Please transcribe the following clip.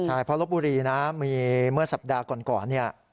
ใช่เพราะลบบุรีนะมีเมื่อสัปดาห์ก่อนเนี่ย